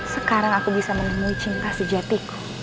sekarang aku bisa menemui cinta sejatiku